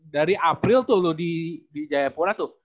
dari april tuh lo di wijayapura tuh